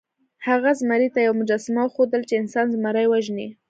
هغه زمري ته یوه مجسمه وښودله چې انسان زمری وژني.